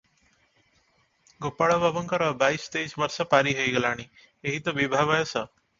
ଗୋପାଳ ବାବୁଙ୍କର ବାଇଶ ତେଇଶ ବର୍ଷ ପାରି ହୋଇଗଲାଣି, ଏହି ତ ବିଭା ବୟସ ।